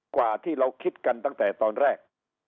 กว่าที่เราคิดกันตั้งแต่ตอนแรก